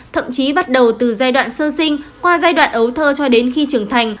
thậm chí bắt đầu từ giai đoạn sơ sinh qua giai đoạn ấu thơ cho đến khi trưởng thành